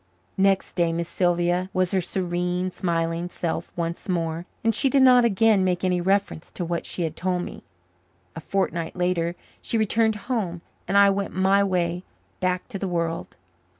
Next day Miss Sylvia was her serene, smiling self once more, and she did not again make any reference to what she had told me. A fortnight later she returned home and I went my way back to the world.